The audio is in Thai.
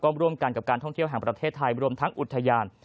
ร่วมกันกับการท่องเที่ยวแห่งประเทศไทยรวมทั้งอุทยาน